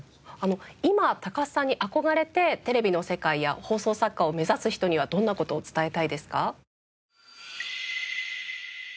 今高須さんに憧れてテレビの世界や放送作家を目指す人にはどんな事を伝えたいですか？